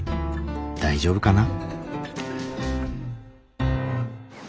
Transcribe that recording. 大丈夫かな？